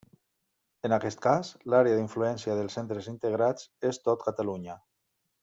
En aquest cas, l'àrea d'influència dels centres integrats és tot Catalunya.